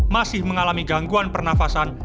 masih mengalami gangguan pernafasan